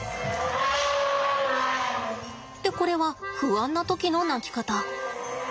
でこれは不安な時の鳴き方。